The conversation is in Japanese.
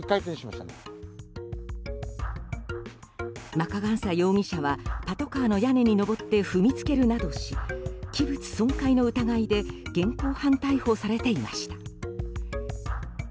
マカガンサ容疑者はパトカーの屋根に上って踏みつけるなどし器物損壊の疑いで現行犯逮捕されていました。